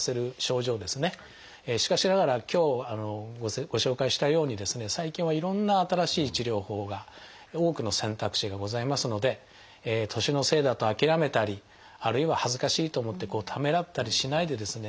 しかしながら今日ご紹介したようにですね最近はいろんな新しい治療法が多くの選択肢がございますので年のせいだと諦めたりあるいは恥ずかしいと思ってためらったりしないでですね